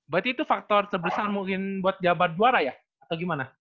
berarti itu faktor terbesar mungkin buat jabat juara ya atau gimana